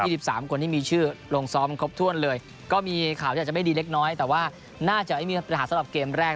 สิบสามคนที่มีชื่อลงซ้อมครบถ้วนเลยก็มีข่าวที่อาจจะไม่ดีเล็กน้อยแต่ว่าน่าจะไม่มีปัญหาสำหรับเกมแรก